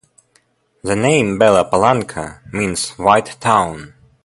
The name "Bela Palanka" means 'white town'.